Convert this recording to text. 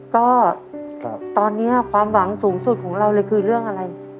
ก็ตอนนี้ความหวังสูงสุดของเราเลยคือเรื่องอะไร